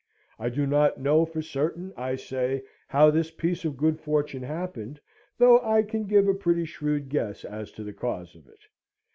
I do not know for certain, I say, how this piece of good fortune happened, though I can give a pretty shrewd guess as to the cause of it.